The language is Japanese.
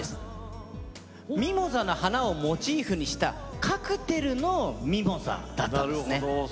ミモザの花をモチーフにしたカクテルのミモザだったんですね。